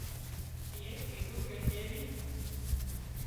شينهنئي ڪيڌون ڪي چيوي